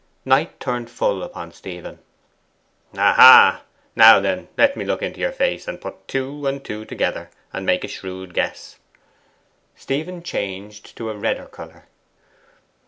Knight turned full upon Stephen. 'Ah ha! Now, then, let me look into your face, put two and two together, and make a shrewd guess.' Stephen changed to a redder colour.